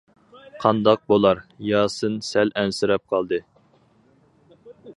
-قانداق بولار؟ ياسىن سەل ئەنسىرەپ قالدى.